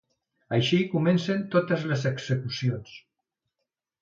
Així comencen totes les execucions.